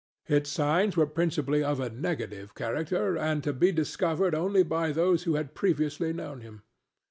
Its signs were principally of a negative character, and to be discovered only by those who had previously known him.